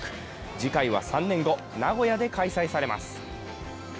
次回は３年後、名古屋で開催されます。